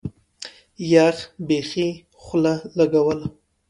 يخ بيخي خوله لګوله.